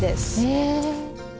へえ。